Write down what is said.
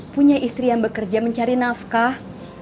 punya istri yang bekerja mencari nafkah